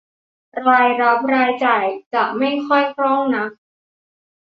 รายรับรายจ่ายจะไม่ค่อยคล่องนัก